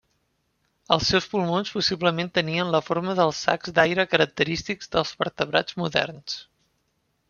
Els seus pulmons possiblement tenien la forma dels sacs d'aire característics dels vertebrats moderns.